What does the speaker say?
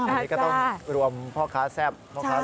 อันนี้ก็ต้องรวมเป็นพ่อค้าแซ่บพ่อค้าหล่อใช่ไหม